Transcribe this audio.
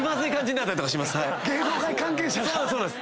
芸能界関係者が。